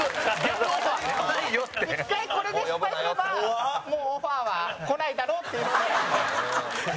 草薙：１回、これで失敗すればもう、オファーはこないだろうっていうので。